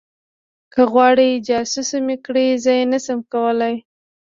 که غواړې جاسوسه مې کړي زه یې نشم کولی